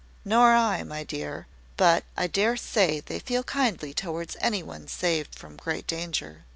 "Nor I, my dear. But I dare say they feel kindly towards anyone saved from great danger."